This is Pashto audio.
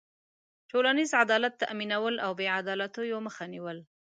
ټولنیز عدالت تأمینول او بېعدالتيو مخه نېول.